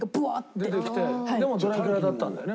でもドラキュラだったんだよね？